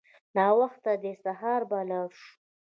ناوخته دی سهار به لاړ شو.